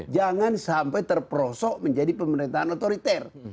jangan sampai terperosok menjadi pemerintahan otoriter